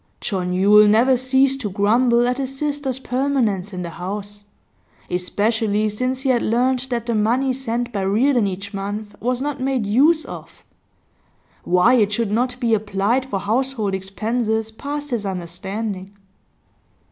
John Yule never ceased to grumble at his sister's permanence in the house, especially since he had learnt that the money sent by Reardon each month was not made use of; why it should not be applied for household expenses passed his understanding.